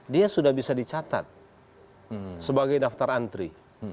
dia sudah bisa dicatat sebagai daftar antri